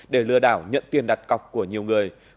để lừa đảo nhận tiền đặt cọc của nhiều người